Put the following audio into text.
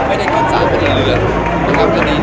มุมการก็แจ้งแล้วเข้ากลับมานะครับ